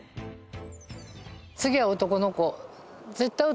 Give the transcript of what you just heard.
次は男の子。